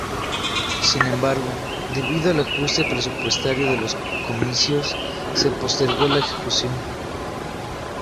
Sin embargo, debido al ajuste presupuestario de los comicios se postergó su ejecución.